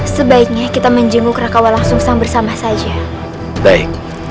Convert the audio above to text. sebaiknya kita menjenguk raka walang susah bersama saja baik